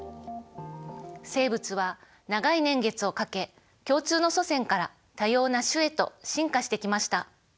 生物は長い年月をかけ共通の祖先から多様な種へと進化してきました。